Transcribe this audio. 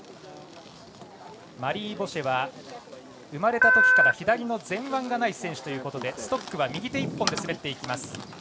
マリー・ボシェは生まれたときから左の前腕がない選手ということでストックは右手１本で滑っていきます。